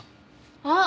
あっ！